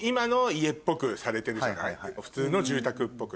普通の住宅っぽく。